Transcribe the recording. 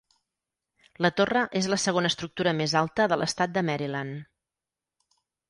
La torre és la segona estructura més alta de l'estat de Maryland.